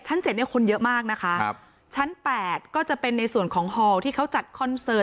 เจ็ดเนี้ยคนเยอะมากนะคะครับชั้นแปดก็จะเป็นในส่วนของฮอลที่เขาจัดคอนเสิร์ต